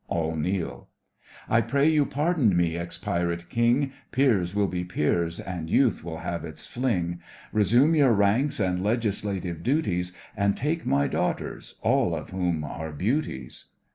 (All kneel) I pray you, pardon me, ex Pirate King! Peers will be peers, and youth will have its fling. Resume your ranks and legislative duties, And take my daughters, all of whom are beauties.